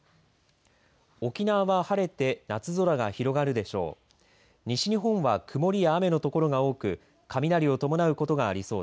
沖縄は晴れて夏空が広がるでしょう。